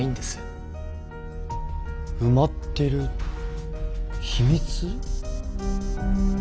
埋まってる秘密？